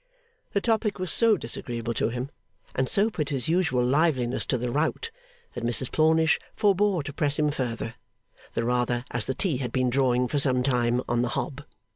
The topic was so disagreeable to him, and so put his usual liveliness to the rout, that Mrs Plornish forbore to press him further: the rather as the tea had been drawing for some time on the hob.